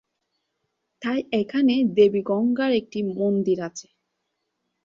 তাই এখানে দেবী গঙ্গার একটি মন্দির আছে।